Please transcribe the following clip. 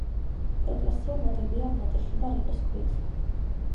ეკლესია ნაგებია ნატეხი და რიყის ქვით.